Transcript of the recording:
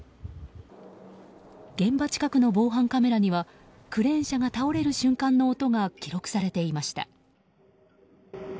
現場近くの防犯カメラにはクレーン車が倒れる瞬間の音が記録されていました。